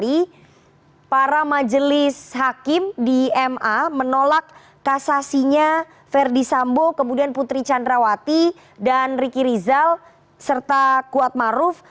jadi para majelis hakim di ma menolak kasasinya verdi sambo kemudian putri candrawati dan riki rizal serta kuatmaruf